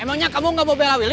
emangnya kamu gak mau bela pilih